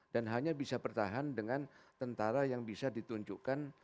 dan hanya bisa pertahan dengan tentara yang bisa ditunjukkan